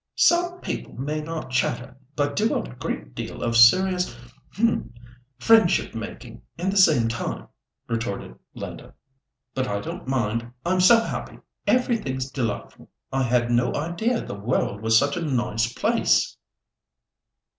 "Some people may not chatter, but do a great deal of serious—h'm—friendship making in the same time," retorted Linda. "But I don't mind, I'm so happy. Everything's delightful. I had no idea the world was such a nice place."